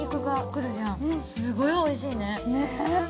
すっごいおいしいね。